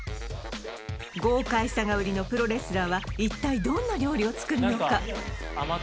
豪快さがウリのプロレスラーは一体どんな料理を作るのか？